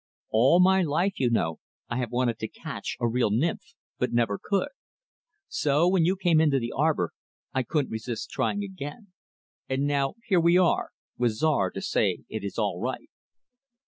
All my life, you know, I have wanted to catch a real nymph; but never could. So when you came into the arbor, I couldn't resist trying again. And, now, here we are with Czar to say it is all right."